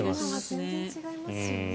全然違いますよね。